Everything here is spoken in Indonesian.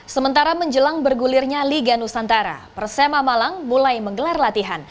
sementara menjelang bergulirnya liga nusantara persema malang mulai menggelar latihan